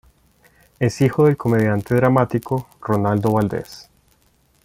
Es hijo del comediante dramático, Ronaldo Valdez.